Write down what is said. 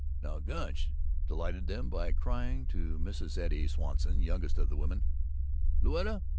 Now Gunch delighted them by crying to Mrs. Eddie Swanson, youngest of the women, "Louetta!